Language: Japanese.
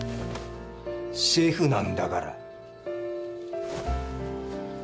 シェフなんだから